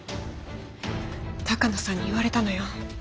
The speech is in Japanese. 鷹野さんに言われたのよ。